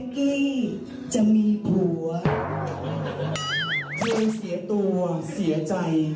คนแรกคนแรก